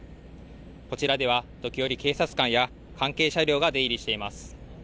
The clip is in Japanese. こちらでは時折、警察官や関係車両が出入りしています。